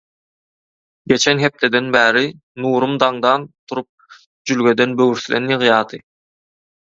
Geçen hepdeden bäri Nurum daňdan turup jülgeden böwürslen ýygýardy.